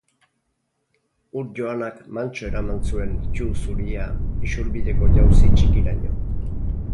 Ur joanak mantso eraman zuen ttu zuria isurbideko jauzi txikiraino.